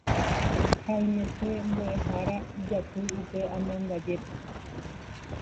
Haimete mboʼehára ijaty upe amandajépe.